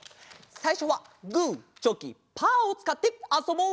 さいしょはグーチョキパーをつかってあそぼう！